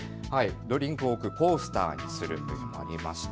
ドリンクを置くコースターにするというのもありました。